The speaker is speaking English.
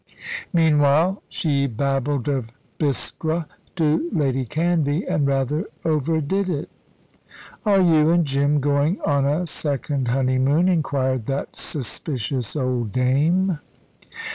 Meanwhile, she babbled of Biskra to Lady Canvey, and rather overdid it. "Are you and Jim going on a second honeymoon?" inquired that suspicious old dame.